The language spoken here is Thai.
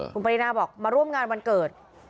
คุณปรินาบอกมาร่วมงานวันเกิด